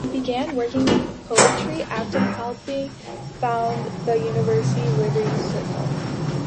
He began working with poetry after helping found the University Literary Circle.